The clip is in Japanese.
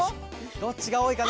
どっちがおおいかな？